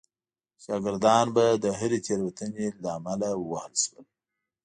شاګردان به د هرې تېروتنې له امله ووهل شول.